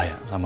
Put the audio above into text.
ya udah be